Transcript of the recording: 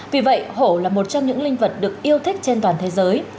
vì vậy hổ là một trong những linh vật được yêu thích trên toàn thế giới